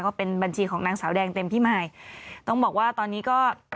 ก็เป็นบัญชีของนางสาวแดงเต็มพิมายต้องบอกว่าตอนนี้ก็